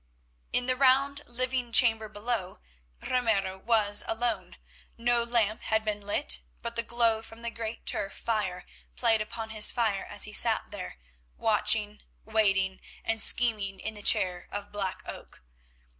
In the round living chamber below Ramiro was alone. No lamp had been lit, but the glow from the great turf fire played upon his face as he sat there, watching, waiting, and scheming in the chair of black oak.